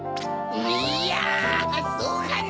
いやぁそうかな？